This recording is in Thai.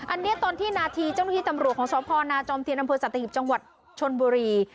อันนี้ตอนที่นาทีเจ้าหน้าที่ตำรวจของสพนาจอมเทียนอำเภอสัตหิบจังหวัดชนบุรี